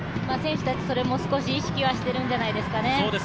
選手たち、それも少し意識はしているんじゃないですかね。